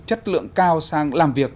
chất lượng cao sang làm việc